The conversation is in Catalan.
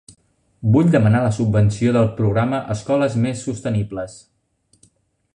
Vull demanar la subvenció del programa Escoles Més Sostenibles.